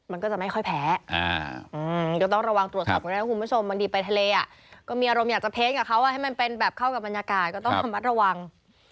มันก็จะไม่ค่อยแพ้ก็ต้องระวังตรวจสอบกันด้วยนะคุณผู้ชมบางทีไปทะเลก็มีอารมณ์อยากจะเพคกับเขาให้มันเป็นแบบเข้ากับบรรยากาศก็ต้องระมัดระวัง